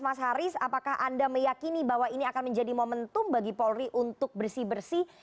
mas haris apakah anda meyakini bahwa ini akan menjadi momentum bagi polri untuk bersih bersih